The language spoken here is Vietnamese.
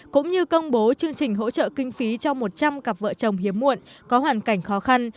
cũng như công bố chương trình hỗ trợ kinh phí cho một trăm linh cặp vợ chồng hiếm muộn có hoàn cảnh khó khăn